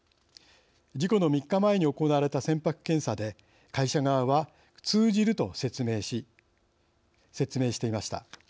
事故の３日前に行われた船舶検査で会社側は通じると説明していました。